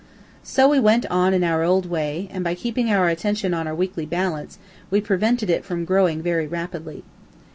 So we went on in our old way, and by keeping our attention on our weekly balance, we prevented it from growing very rapidly.